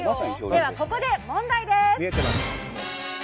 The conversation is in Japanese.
ではここで、問題です。